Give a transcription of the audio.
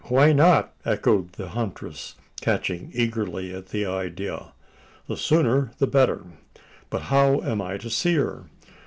"Why not?" echoed the huntress, catching eagerly at the idea. "The sooner the better. But how am I to see her?